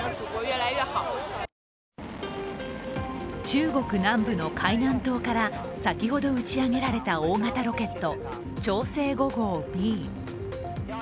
中国南部の海南島から先ほど打ち上げられた大型ロケット「長征５号Ｂ」。